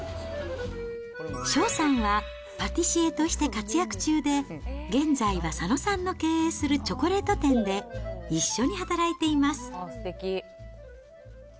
翔さんはパティシエとして活躍中で、現在は佐野さんの経営するチョコレート店で一緒に働いています。